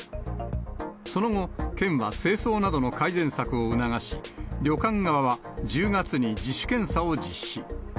その後、県は清掃などの改善策を促し、旅館側は１０月に自主検査を実施。